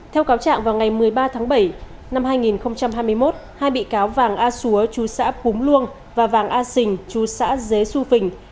theo cáo trạng vào ngày một mươi ba tháng bảy năm hai nghìn hai mươi một hai bị cáo vàng a xúa chú xã cúng luông và vàng a xình chú xã dế xuân